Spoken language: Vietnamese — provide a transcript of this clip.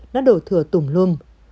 nó đổ thừa tùm lum